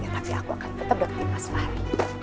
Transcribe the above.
ya tapi aku akan tetap deketin mas fahri